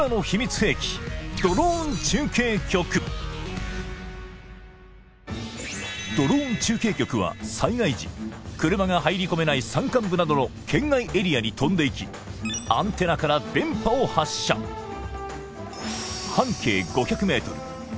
兵器ドローン中継局は災害時車が入り込めない山間部などの圏外エリアに飛んでいきアンテナから電波を発射そこで！